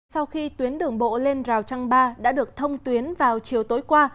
sau khi tuyến đường bộ lên rào trăng ba đã được thông tuyến vào chiều tối qua